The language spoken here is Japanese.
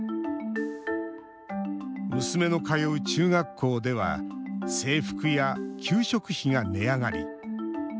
娘の通う中学校では、制服や給食費が値上がり。